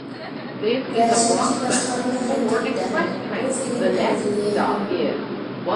«بەشىنچى باشقارما ھەرىكەتتە»، بۇ فىلىم ئەنگلىيەنىڭ.